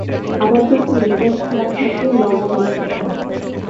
আবার যখন মেজাজ খারাপ থাকে লবণ বেশি খান।